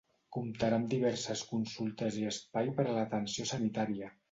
Comptarà amb diverses consultes i espai per a l’atenció sanitària.